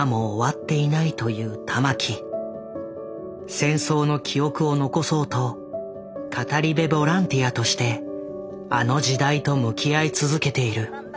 戦争の記憶を残そうと語り部ボランティアとしてあの時代と向き合い続けている。